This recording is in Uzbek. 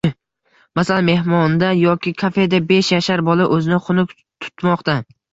Masalan, mehmonda yoki kafeda besh yashar bola o‘zini xunuk tutmoqda.